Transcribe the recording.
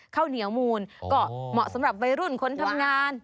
ข้าวเหนียวมูลก็เหมาะสำหรับวัยรุ่นคนทำงาน